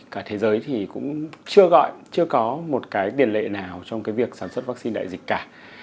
cả thế giới thì cũng chưa gọi chưa có một cái tiền lệ nào trong cái việc sản xuất vaccine đại dịch cả